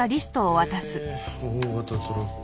え大型トラック。